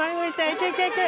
いけいけいけ！